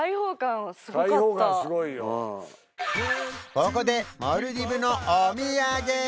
ここでモルディブのお土産